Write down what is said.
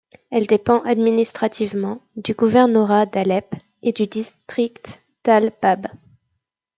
Elle dépend administrativement du gouvernorat d'Alep et du district d'al-Bab.